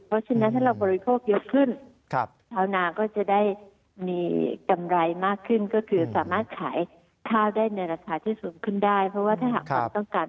เพราะฉะนั้นถ้าเราบริโภคเยอะขึ้นชาวนาก็จะได้มีกำไรมากขึ้น